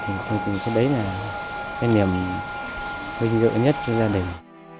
thì tôi nghĩ đấy là cái niềm vinh dự nhất cho gia đình